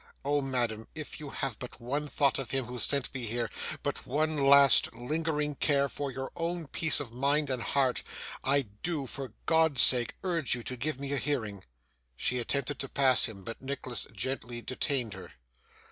Oh, madam, if you have but one thought of him who sent me here, but one last lingering care for your own peace of mind and heart, I do for God's sake urge you to give me a hearing.' She attempted to pass him, but Nicholas gently detained her.